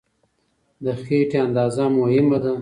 د خېټې اندازه مهمه ده.